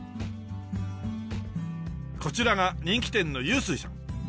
こちらが人気店の湧水さん。